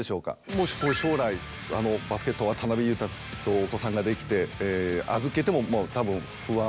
もし将来バスケット渡邊雄太さんとお子さんができて預けてもたぶん不安は？